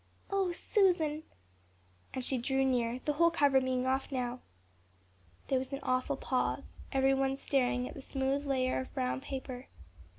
"Oh, Susan," and she drew near, the whole cover being off now. There was an awful pause, every one staring at the smooth layer of brown paper.